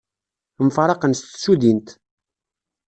Mfaraqen s tsudint.